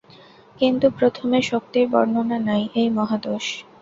কিন্তু প্রথমে শক্তির বর্ণনা নাই, এই মহাদোষ।